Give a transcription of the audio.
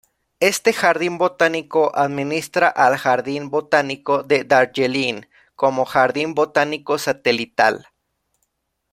Este jardín botánico administra al Jardín Botánico de Darjeeling, como jardín botánico satelital.